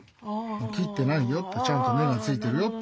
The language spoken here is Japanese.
切ってないよってちゃんと根がついてるよって。